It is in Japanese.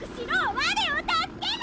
我を助けろ！